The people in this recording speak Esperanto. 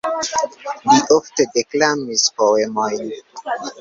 Li ofte deklamis poemojn.